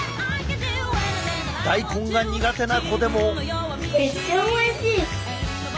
大根が苦手な子でも。